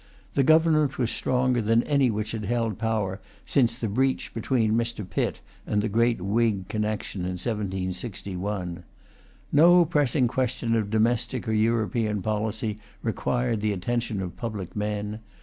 The Government was stronger than any which had held power since the breach between Mr. Pitt and the great Whig connection in 1761. No pressing question of domestic or European policy required the attention of public men.